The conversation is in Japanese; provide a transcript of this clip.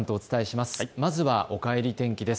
まずはおかえり天気です。